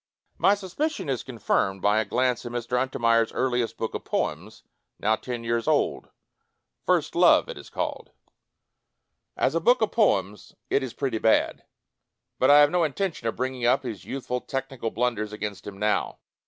My suspicion is confirmed by a glance at Mr. Untermeyer's earliest book of poems, now ten years old — "First Love", it is called. As a book of poems it is pretty bad, but I have no intention of bringing up his youth ful technical blunders against him now.